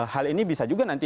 hal ini bisa juga nanti